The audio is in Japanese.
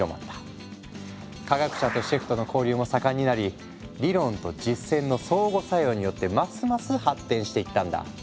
科学者とシェフとの交流も盛んになり理論と実践の相互作用によってますます発展していったんだ。